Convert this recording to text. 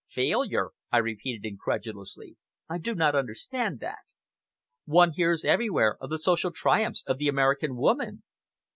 "Failure!" I repeated incredulously. "I do not understand that. One hears everywhere of the social triumphs of the American woman."